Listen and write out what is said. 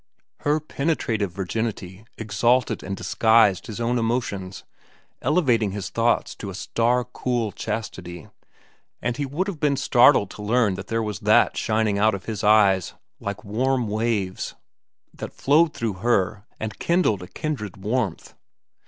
Her penetrative virginity exalted and disguised his own emotions, elevating his thoughts to a star cool chastity, and he would have been startled to learn that there was that shining out of his eyes, like warm waves, that flowed through her and kindled a kindred warmth.